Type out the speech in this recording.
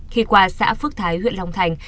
khi qua xã phước thái huyện long thành